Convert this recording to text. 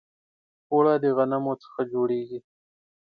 اوړه د غنمو څخه جوړیږي